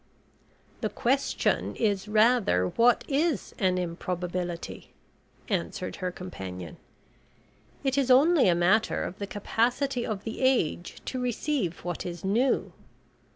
"The question is rather what is an improbability?" answered her companion. "It is only a matter of the capacity of the age to receive what is new.